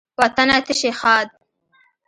وطنه ته شي ښاد